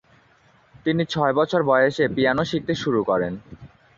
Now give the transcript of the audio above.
তিনি ছয় বছর বয়সে পিয়ানো শিখতে শুরু করেন।